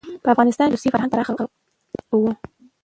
په افغانستان کې روسي فرهنګ پراخه و.